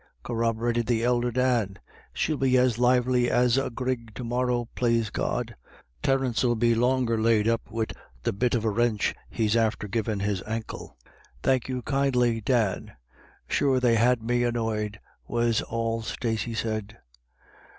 Ay," corroborated the elder Dan, " she'll be as lively as a grig to morrow, plase God. Terence '11 be longer laid up wid the bit of a wranch he's after givin' his ankle." " Thank you kindly, Dan ; sure they had me annoyed," was all Stacey said.